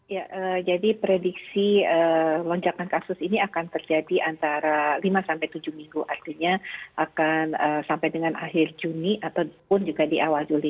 ya jadi prediksi lonjakan kasus ini akan terjadi antara lima sampai tujuh minggu artinya akan sampai dengan akhir juni ataupun juga di awal juli